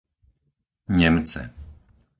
Nemce